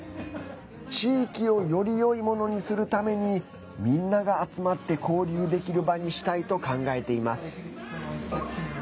地域をよりよいものにするためにみんなが集まって交流できる場にしたいと考えています。